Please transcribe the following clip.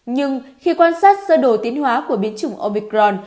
nhưng khi quan sát sơ đồ tiến hóa của biến chủng obicron